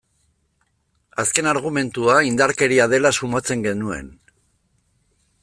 Azken argumentua indarkeria dela susmatzen genuen.